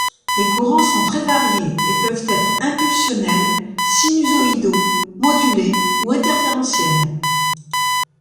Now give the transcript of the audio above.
Les courants sont très variés et peuvent être impulsionnels, sinusoïdaux, modulés ou interférentiels.